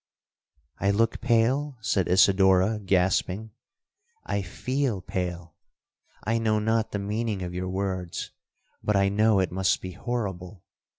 '—'I look pale?' said Isidora gasping; 'I feel pale! I know not the meaning of your words, but I know it must be horrible.